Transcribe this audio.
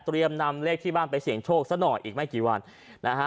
นำเลขที่บ้านไปเสี่ยงโชคสักหน่อยอีกไม่กี่วันนะฮะ